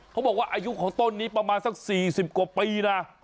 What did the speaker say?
เขาบอกว่าอายุของต้นนี้ประมาณสัก๔๐กว่าปีนะ